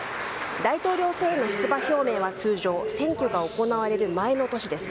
大統領選への出馬表明は通常選挙が行われる前の年です。